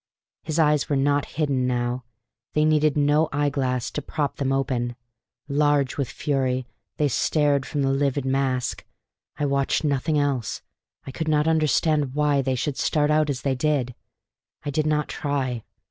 His eyes were not hidden now; they needed no eyeglass to prop them open; large with fury, they started from the livid mask. I watched nothing else. I could not understand why they should start out as they did. I did not try.